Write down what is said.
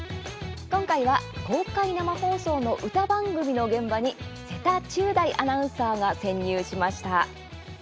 今回は公開生放送の歌番組の現場に瀬田宙大アナウンサーが潜入しました。